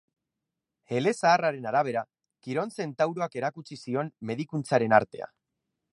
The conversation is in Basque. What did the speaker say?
Elezaharraren arabera, Kiron zentauroak erakutsi zion medikuntzaren artea.